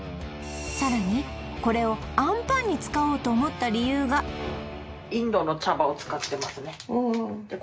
さらにこれをあんぱんに使おうと思った理由がインドの茶葉を使ってますねで